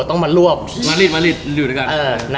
คอก่อนไปอยู่น่ะ